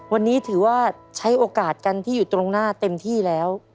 วันนี้ถือว่าใช้โอกาสกันที่อยู่ตรงหน้าเต็มที่แล้ว